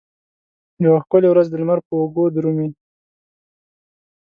یوه ښکلې ورځ د لمر په اوږو درومې